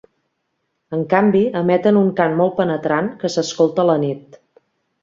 En canvi, emeten un cant molt penetrant, que s'escolta a la nit.